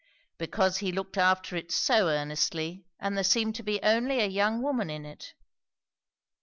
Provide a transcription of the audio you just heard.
'Because he looked after it so earnestly; and there seemed to be only a young woman in it.'